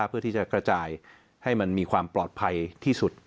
เพื่อที่จะกระจายให้มันมีความปลอดภัยที่สุด